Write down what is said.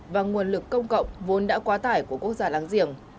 và nguồn lực công cộng vốn đã quá tải của quốc gia láng giềng